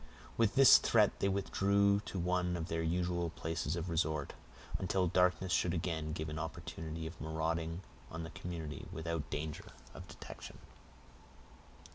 With this threat they withdrew to one of their usual places of resort, until darkness should again give them an opportunity of marauding on the community without danger of detection.